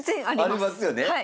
ありますよね。